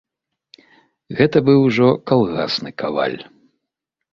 Гэта быў ужо калгасны каваль.